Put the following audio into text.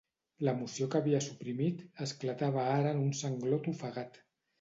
L'emoció que havia suprimit esclatava ara en un sanglot ofegat.